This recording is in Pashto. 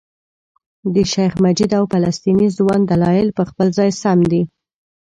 د شیخ مجید او فلسطیني ځوان دلایل په خپل ځای سم دي.